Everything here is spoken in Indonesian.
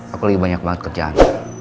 aku lebih banyak banget kerjaan